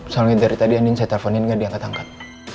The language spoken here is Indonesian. soalnya dari tadi anin saya teleponin gak diangkat angkat